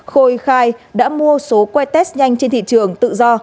khôi khai đã mua số quay test nhanh trên thị trường tự do